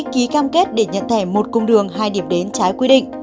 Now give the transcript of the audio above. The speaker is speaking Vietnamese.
ký cam kết để nhận thẻ một cung đường hai điểm đến trái quy định